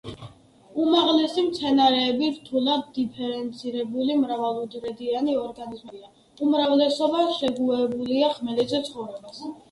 უმაღლესი მცენარეები რთულად დიფერენცირებული მრავალუჯრედიანი ორგანიზმებია; უმრავლესობა შეგუებულია ხმელეთზე ცხოვრებას.